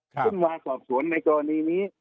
ขึ้นมาสอบสวนในกรณีนี้